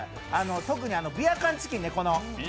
特にビア缶チキンね。